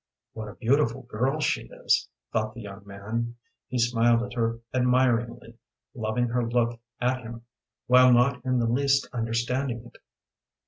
"What a beautiful girl she is," thought the young man. He smiled at her admiringly, loving her look at him, while not in the least understanding it.